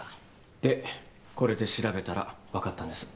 でこれで調べたらわかったんです。